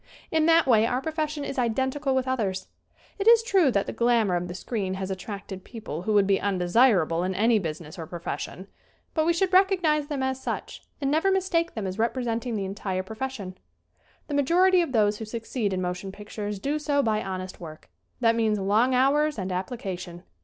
In that way our profession is identical with others. It is true that the glamour of the screen has attracted people who would be unde sirable in any business or profession. But we should recognize them as such and never mis take them as representing the entire profes sion. The majority of those who succeed in motion pictures do so by honest work. That means long hours and application.